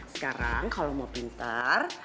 sekarang kalau mau pintar